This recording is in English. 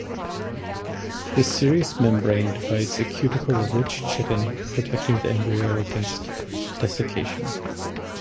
This serous membrane divides a cuticle rich of chitin protecting the embryo against desiccation.